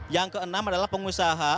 yang keenam adalah pengusaha